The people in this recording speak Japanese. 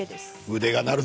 腕が鳴るぞ。